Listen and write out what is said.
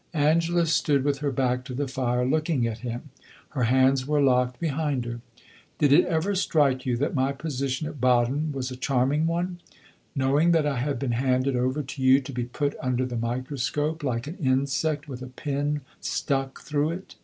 Angela stood with her back to the fire, looking at him; her hands were locked behind her. "Did it ever strike you that my position at Baden was a charming one? knowing that I had been handed over to you to be put under the microscope like an insect with a pin stuck through it!"